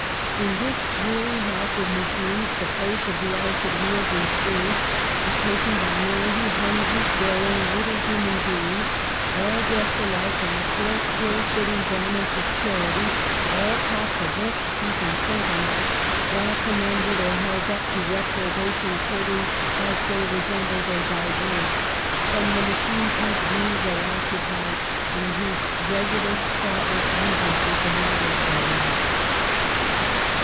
In this dreary house of machines, the place of the ousted wheels and springs was taken by ninety hungry, growing little human beings, all dressed alike in the coarse, ill fitting garments of charity, all taught to look, speak, and think alike, all com mended or held up to reprobation according as they resembled or diverged from the machines whose room they occupied and whose regular, thoughtless movement was the model of their life.